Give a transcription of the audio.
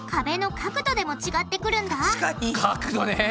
角度ね。